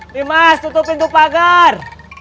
dimas tutup pintu pagar